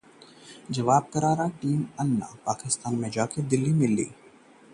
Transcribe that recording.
team Anna में दरार पड़ने की अटकलें